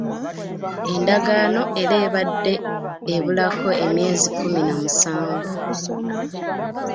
ENdagaano era ebadde ebulako emyezi kkumi na musanvu.